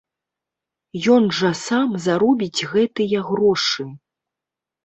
Ён жа сам заробіць гэтыя грошы!